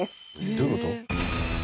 どういう事？